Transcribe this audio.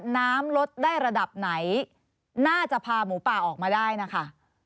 น้ำลดได้ระดับไหนน่าจะพาหมูป่าออกมาได้นะคะ